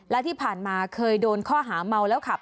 และที่ผ่านมาเคยโดนข้อหาเมาแล้วขับ